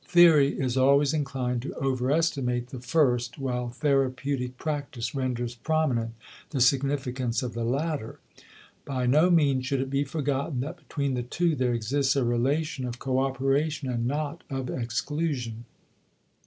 Theory is always inclined to overestimate the first while therapeutic practice renders prominent the significance of the latter. By no means should it be forgotten that between the two there exists a relation of coöperation and not of exclusion.